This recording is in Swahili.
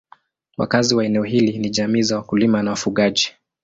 Wakazi wa eneo hili ni jamii za wakulima na wafugaji.